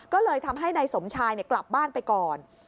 ก็เลยทำให้นายสมชายกลับบ้านไปก่อน